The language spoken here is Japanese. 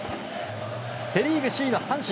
セ・リーグ首位の阪神。